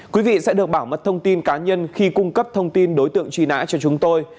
quý vị sẽ được bảo mật thông tin cá nhân khi cung cấp thông tin đối tượng truy nã cho chúng tôi